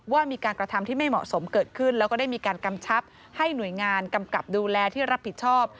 ว่ามีการกระทำที่ไม่เหมาะสมเกิดขึ้นแล้วก็ได้มีการกำชับให้หน่วยงานกำกับดูแลที่รับผิดชอบ